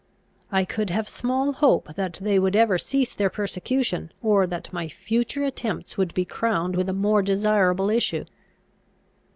I could have small hope that they would ever cease their persecution, or that my future attempts would be crowned with a more desirable issue.